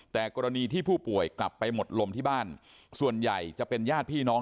แต่กรณีที่ผู้ป่วยกลับไปหมดลมที่บ้านส่วนใหญ่จะเป็นญาติพี่น้อง